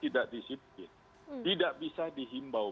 tidak disiplin tidak bisa dihimbau